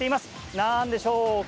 何でしょうか？